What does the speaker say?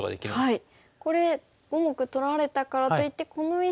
はい。